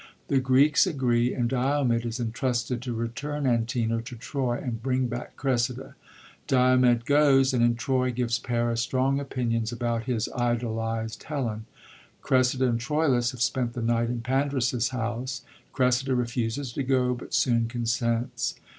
The Greeks agree, and Diomed is entrusted to return Antenor to Ti'oy and bring back Oressida. Diomed goes, and in Troy gives Paris strong opinions about his idolised Helen. Oressida and Troilus have spent the night in Pandarus's house. Oressida refuses to go, but soon consents.